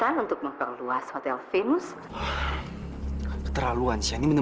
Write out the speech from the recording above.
saya nggak mungkin lupa ver tadi sebelum saya keluar ruangan saya taruh di sini